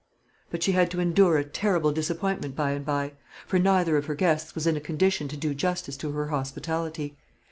But she had to endure a terrible disappointment by and by; for neither of her guests was in a condition to do justice to her hospitality.